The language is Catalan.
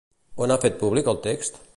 On ha fet públic el text?